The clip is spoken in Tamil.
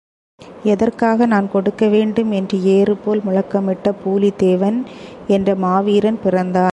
எதற்காக நான் கொடுக்க வேண்டும் என்று ஏறுபோல முழக்கமிட்ட பூலித்தேவன் என்ற மாவீரன் பிறந்தான்.